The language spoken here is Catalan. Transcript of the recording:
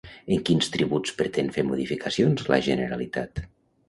En quins tributs pretén fer modificacions la Generalitat?